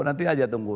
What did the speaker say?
nanti aja tunggu